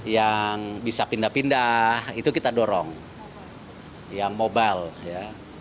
yang bisa pindah pindah itu kita dorong yang mobile ya